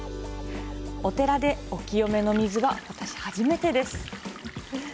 お寺でお清めの水は、私、初めてです。